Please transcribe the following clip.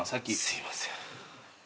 すいません。